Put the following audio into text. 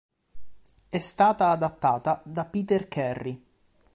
È stata adattata da Peter Kerry.